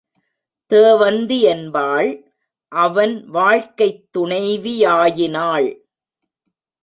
தேவந்தி என்பாள் அவன் வாழ்க்கைத் துணைவியாயினாள்.